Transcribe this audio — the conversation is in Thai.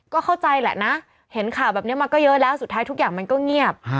ก็เข้าใจแหละนะเห็นข่าวแบบนี้มาก็เยอะแล้วสุดท้ายทุกอย่างมันก็เงียบ